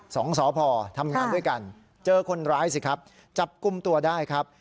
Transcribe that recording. สองสพทำงานด้วยกันเจอคนร้ายสิครับจับกลุ่มตัวได้ครับ